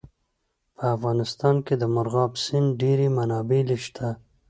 په افغانستان کې د مورغاب سیند ډېرې منابع شته.